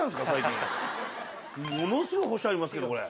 ものすごい干してありますけどこれ。